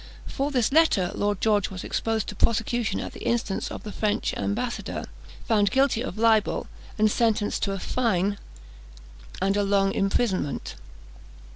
For this letter Lord George was exposed to a prosecution at the instance of the French ambassador, found guilty of libel, and sentenced to fine and a long imprisonment.